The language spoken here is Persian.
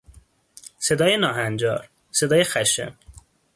صدای ناهنجار، صدای خشن